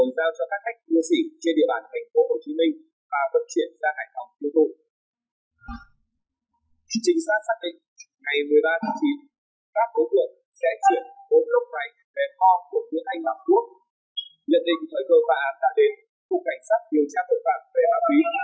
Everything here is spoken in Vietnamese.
sau khi vận chuyển từ nước ngoài về và tập kết tại thành phố hồ chí minh